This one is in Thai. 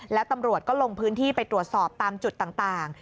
แล้วตำรวจก็ลงพื้นที่ไปตรวจสอบตามจุดต่าง